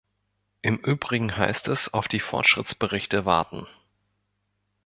Im übrigen heißt es auf die Fortschrittsberichte warten.